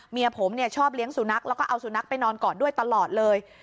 เมียผมชอบเลี้ยงสุนัขแล้วก็เอาสุนัขไปนอนกอดด้วยตลอดเลย